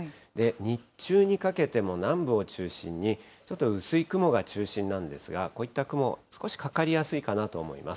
日中にかけても南部を中心に、ちょっと薄い雲が中心なんですが、こういった雲、少しかかりやすいかなと思います。